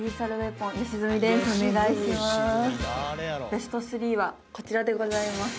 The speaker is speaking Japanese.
ベスト３はこちらでございます。